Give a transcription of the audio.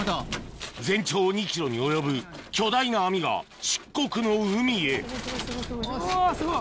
全長２ｋｍに及ぶ巨大な網が漆黒の海へうわすごい。